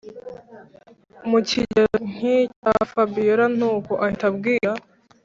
mukigero nkicya fabiora nuko ahita abwira